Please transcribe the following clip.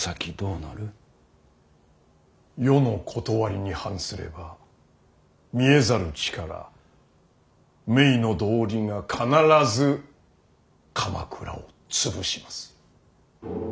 世のことわりに反すれば見えざる力冥の道理が必ず鎌倉を潰します。